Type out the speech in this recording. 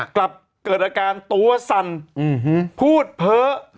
กลับเกิดอาการตัวสั่นพูดเพ้อ